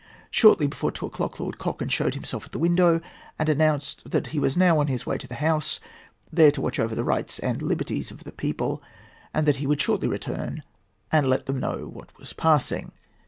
Shortly before two o'clock Lord Cochrane showed himself at the window, and announced that he was now on his way to the House, there to watch over the rights and liberties of the people, and that he would shortly return and let them know what was passing.